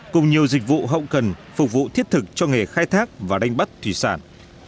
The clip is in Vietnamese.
cùng nhiều dịch vụ hậu cần phục vụ thiết thực cho nghề khai thác và đánh bắt thủy sản